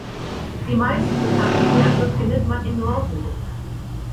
Die meisten bekannten Werke findet man in Norwegen.